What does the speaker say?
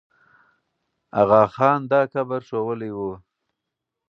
آغا خان دا قبر ښوولی وو.